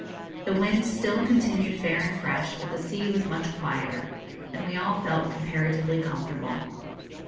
The wind still continued fair and fresh, but the sea was much quieter, and we all felt comparatively comfortable.